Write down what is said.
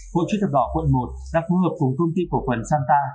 hội chứ thập đỏ quận một đã phù hợp cùng công ty cổ phần santa